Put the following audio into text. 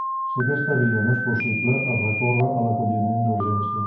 Si aquesta via no és possible, es recorre a l'acolliment d'urgència.